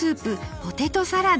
ポテトサラダ。